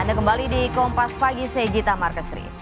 anda kembali di kompas pagi segita markestri